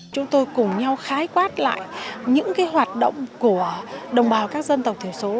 chúng tôi cùng nhau khái quát lại những hoạt động của đồng bào các dân tộc thiểu số